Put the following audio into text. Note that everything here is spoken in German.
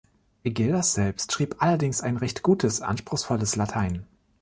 Gildas selbst schrieb allerdings ein recht gutes, anspruchsvolles Latein.